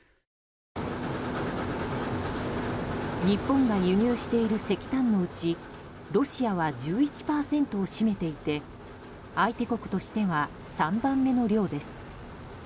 日本が輸入している石炭のうちロシアは１１％を占めていて相手国としては３番目の量です。